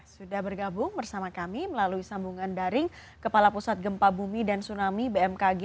sudah bergabung bersama kami melalui sambungan daring kepala pusat gempa bumi dan tsunami bmkg